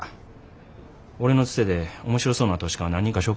俺のつてで面白そうな投資家何人か紹介したるわ。